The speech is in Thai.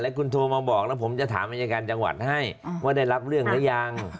คุณโทรมาบอกแล้วผมจะถามอายการจังหวัดให้ว่าได้รับเรื่องหรือยัง